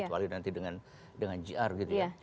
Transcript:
kecuali nanti dengan jr gitu ya